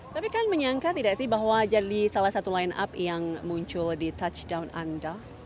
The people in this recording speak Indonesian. tapi kan menyangka tidak sih bahwa jadi salah satu line up yang muncul di touchdown anda